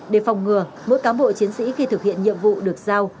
để phòng ngừa mỗi cán bộ chiến sĩ khi thực hiện nhiệm vụ được giao